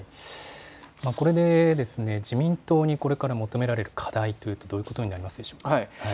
これで自民党にこれから求められる課題というのはどういうことになりますでしょうか。